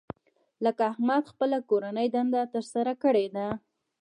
لکه احمد خپله کورنۍ دنده تر سره کړې ده.